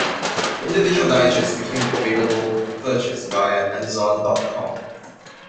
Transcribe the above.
Individual digests became available for purchase via amazon dot com.